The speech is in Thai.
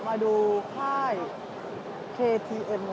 สวัสดีครับ